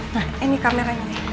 nah ini kameranya